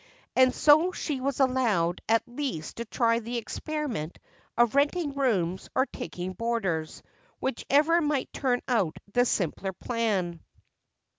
And so she was allowed at least to try the experiment of renting rooms or taking boarders, whichever might turn out the simpler plan.